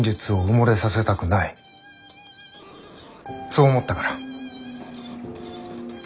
そう思ったから。